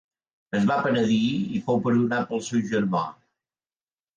Es va penedir i fou perdonat pel seu germà.